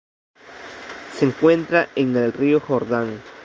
Se encuentra en el río Jordán.